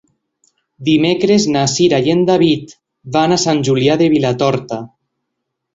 Dimecres na Cira i en David van a Sant Julià de Vilatorta.